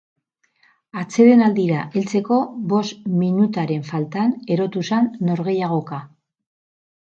Atsedenaldira heltzeko bost minutaren faltan erotu zen norgehiagoka.